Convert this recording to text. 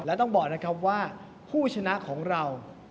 และต้องบอกนะครับว่าผู้ชนะของเรา